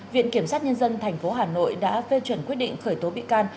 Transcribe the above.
viện kiểm sát nhân dân tp hà nội đã phê chuẩn quyết định khởi tố bị can